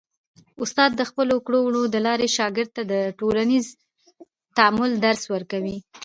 استاد د خپلو کړو وړو د لارې شاګرد ته د ټولنیز تعامل درس ورکوي.